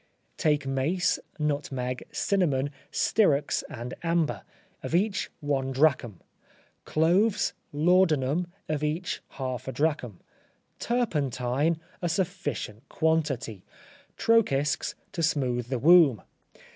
Take mace, nutmeg, cinnamon, styrax and amber, of each one drachm; cloves, laudanum, of each half a drachm; turpentine, a sufficient quantity; trochisks, to smooth the womb.